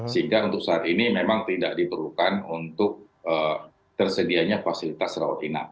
sehingga untuk saat ini memang tidak diperlukan untuk tersedianya fasilitas rawat inap